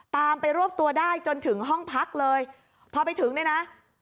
ตามไปรวบตัวได้จนถึงห้องพักเลยพอไปถึงเนี่ยนะ